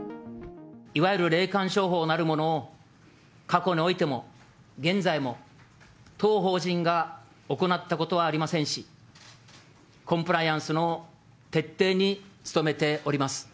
いわゆる霊感商法なるものを、過去においても、現在も、当法人が行ったことはありませんし、コンプライアンスの徹底に努めております。